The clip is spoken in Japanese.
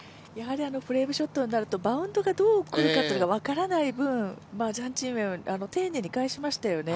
フレームショットになるとバウンドがどう来るか分からない分、ジャン・チンウェンは丁寧に返しましたよね。